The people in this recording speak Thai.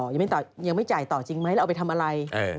ยังไม่จ่ายต่อจริงไหมแล้วเอาไปทำอะไร